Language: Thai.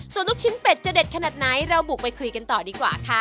ส่วนลูกชิ้นเป็ดจะเด็ดขนาดไหนเราบุกไปคุยกันต่อดีกว่าค่ะ